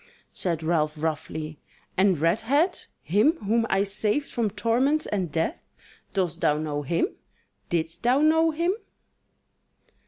Said Ralph roughly: "And Redhead, him whom I saved from torments and death; dost thou know him? didst thou know him?"